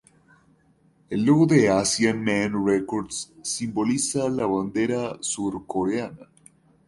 El logo de Asian Man Records simboliza la bandera surcoreana.